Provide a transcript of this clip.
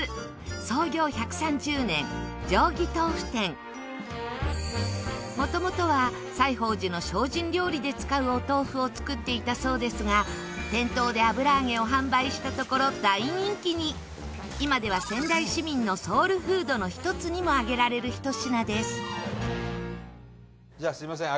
創業１３０年、定義とうふ店もともとは西方寺の精進料理で使うお豆腐を作っていたそうですが店頭で油揚げを販売したところ大人気に今では、仙台市民のソウルフードの１つにも挙げられる、ひと品ですじゃあ、すみません。